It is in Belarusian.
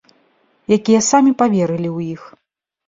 Якія самі паверылі ў іх.